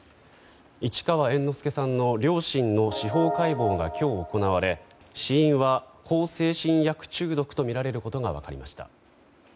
市川猿之助さんの両親の司法解剖が今日、行われ死因は向精神薬中毒とみられることが分かりました。